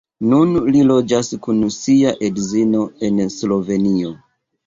Nun li loĝas kun sia edzino en Slovenio.